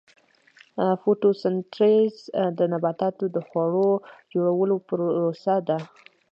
فوتوسنتیز د نباتاتو د خوړو جوړولو پروسه ده